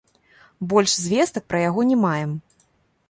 Больш звестак пра яго не маем.